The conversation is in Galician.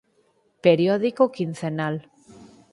Periódico quincenal.